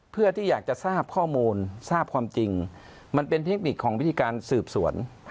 เพื่อที่อยากจะทราบข้อมูลทราบความจริงมันเป็นเทคนิคของวิธีการสืบสวน